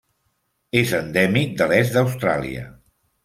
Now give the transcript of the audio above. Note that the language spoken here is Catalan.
És endèmic de l'est d'Austràlia.